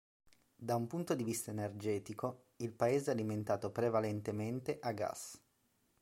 Da un punto di vista energetico, il paese è alimentato prevalentemente a gas.